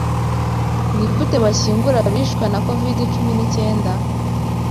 Nigute bashyingura abishwe na covid cumi n'icyenda?